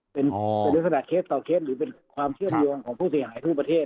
เป็นลักษณะเคสต่อเคสหรือเป็นความเชื่อมโยงของผู้เสียหายทั่วประเทศ